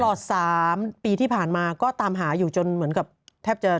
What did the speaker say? ตลอด๓ปีที่ผ่านมาก็ตามหาอยู่จนเหมือนกับแทบจะ